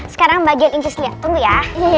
sekarang bagian ini ya tunggu ya